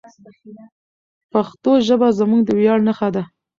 پښتو ژبه زموږ د ویاړ نښه ده.